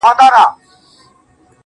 راځی چي وشړو له خپلو کلیو؛